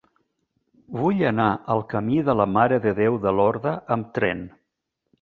Vull anar al camí de la Mare de Déu de Lorda amb tren.